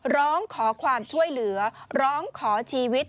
ร้องขอความช่วยเหลือร้องขอชีวิต